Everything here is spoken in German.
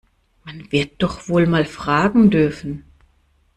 Man wird doch wohl mal fragen dürfen!